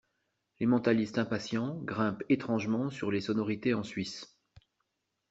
Les mentalistes impatients grimpent étrangement sur les sonorités en Suisse.